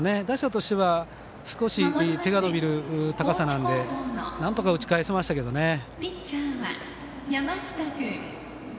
打者としては少し手が伸びる高さなのでなんとか打ち返せましたけどね。